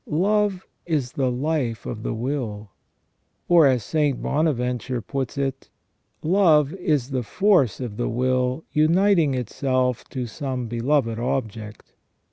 Love is the life of the will. Or, as St. Bonaventure puts it :" Love is the force of the will uniting itself to some beloved ob ject